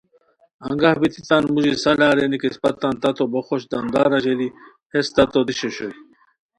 انگہ بیتی تان موژی صلاح ارینی کی اسپہ تان تتو بو خوش دامدار اژیلی، ہیس تتو دیش اوشوئے